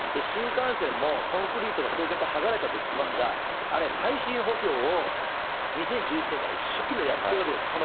新幹線も、コンクリートが、橋脚剥がれたと言ってますが、あれ、耐震補強を２０１１年から一生懸命やってるわけです。